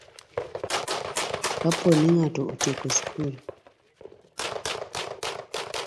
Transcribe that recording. Kapo ni ng'ato otieko skul